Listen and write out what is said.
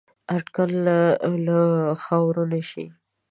اټکل له خاورو نه شي